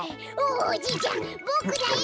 おじいちゃんボクだよ！